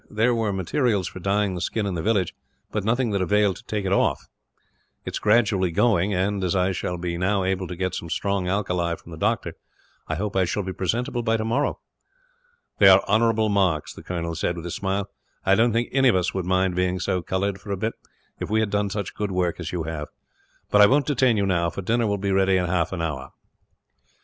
There were materials for dyeing the skin in the village, but nothing that availed to take it off. It is gradually going and, as I shall be now able to get some strong alkali, from the doctor, I hope I shall be presentable by tomorrow." "They are honourable marks," the general said, with a smile. "I don't think any of us would mind being so coloured, for a bit, if we had done such good work as you have; but I won't detain you now, for dinner will be ready in half an hour."